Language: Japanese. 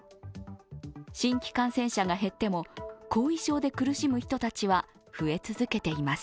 新規感染者が減っても後遺症で苦しむ人たちは増え続けています。